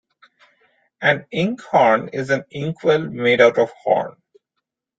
An inkhorn is an inkwell made out of horn.